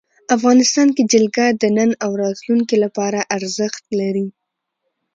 افغانستان کې جلګه د نن او راتلونکي لپاره ارزښت لري.